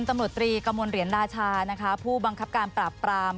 มาใช้กับนักข่าวไป